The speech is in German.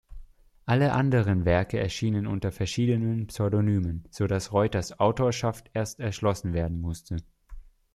Alle anderen Werke erschienen unter verschiedenen Pseudonymen, sodass Reuters Autorschaft erst erschlossen werden musste.